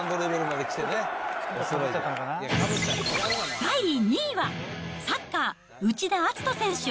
第２位は、サッカー、内田篤人選手。